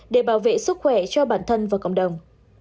để bảo vệ sức khỏe cho bản thân và cộng đồng